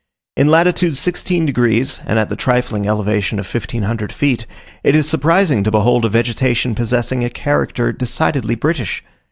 In latitude 16 degs., and at the trifling elevation of 1500 feet, it is surprising to behold a vegetation possessing a character decidedly British.